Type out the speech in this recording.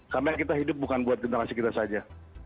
karena kita hidup bukan buat generasi kita saja